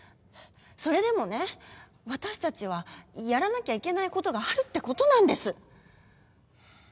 それでもね、私たちはやらなきゃいけないことがあるってことなんです！